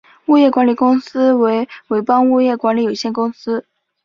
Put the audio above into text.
物业管理公司为伟邦物业管理有限公司。